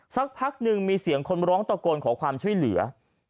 สักพักหนึ่งมีเสียงคนร้องตะโกนขอความช่วยเหลือ